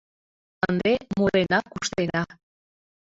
Ынде мурена-куштена.